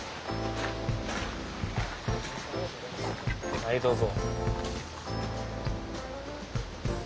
はいどうぞ。